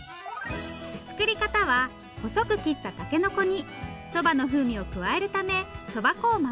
作り方は細く切ったたけのこにそばの風味を加えるためそば粉をまぶします